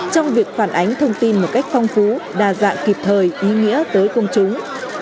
trong việc phản ánh thông tin một cách phong phú đa dạng kịp thời ý nghĩa tới công chúng